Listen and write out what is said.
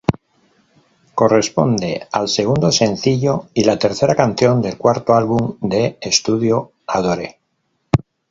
Corresponde al segundo sencillo y la tercera canción del cuarto álbum de estudio, "Adore".